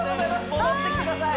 戻ってきてください